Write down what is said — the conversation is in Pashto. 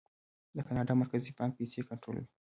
د کاناډا مرکزي بانک پیسې کنټرولوي.